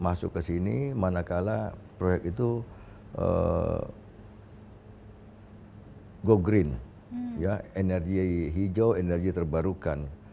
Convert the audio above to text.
masuk ke sini manakala proyek itu go green ya energi hijau energi terbarukan